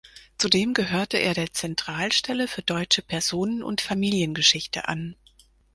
Zudem gehörte er der Zentralstelle für deutsche Personen- und Familiengeschichte an.